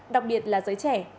đặc biệt là giới trẻ